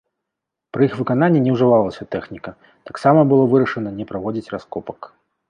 Пры іх выкананні не ўжывалася тэхніка, таксама было вырашана не праводзіць раскопак.